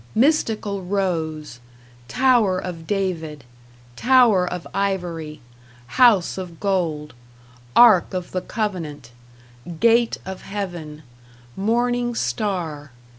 Mystical rose. Tower of David. Tower of ivory. House of gold. Ark of the covenant. Gate of heaven. Morning Star.